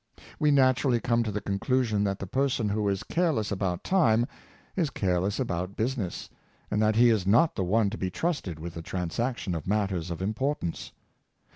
We naturally come to the conclusion that the person who is careless about time is careless about business, and that he is not the one to be trusted with the transaction of matters of importance.